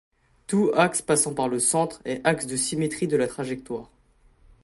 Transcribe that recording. Tout axe passant par le centre est axe de symétrie de la trajectoire.